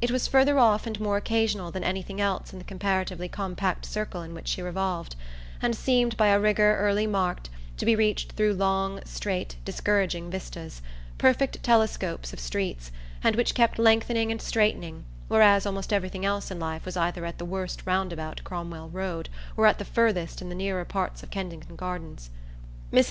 It was further off and more occasional than anything else in the comparatively compact circle in which she revolved, and seemed, by a rigour early marked, to be reached through long, straight, discouraging vistas, perfect telescopes of streets, and which kept lengthening and straightening, whereas almost everything else in life was either at the worst roundabout Cromwell Road or at the furthest in the nearer parts of Kensington Gardens. Mrs.